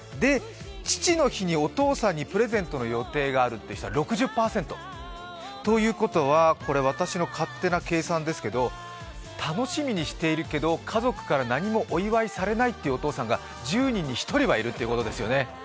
父の日にお父さんにプレゼントの予定があるという人は６０％、ということは、私の勝手な計算ですけど楽しみにしているけど家族から何もお祝いされないお父さんが１０人に１人はいるっていうことですよね。